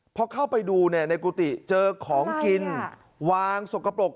พอเข้าไปดูในกุฏิเจอของกินวางสกปรก